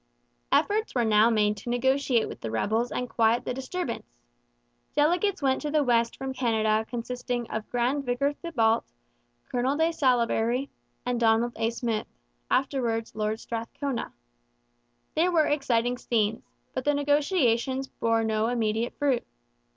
Efforts were now made to negotiate with the rebels and quiet the disturbance. Delegates went to the West from Canada consisting of Grand Vicar Thibault, Colonel de Salaberry, and Donald A. Smith (afterwards Lord Strathcona). There were exciting scenes; but the negotiations bore no immediate fruit.